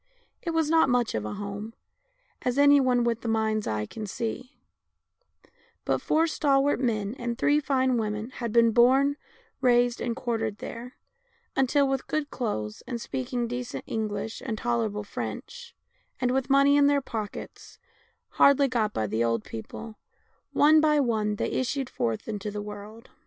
It was not much of a home, as any one with the mind's eye can see, but four stalwart men and three fine women had been born, raised, and quartered there, until, with good clothes, and speaking decent English and tolerable French, and with money in their pockets, hardly got by the old people, one by one they issued forth into the world.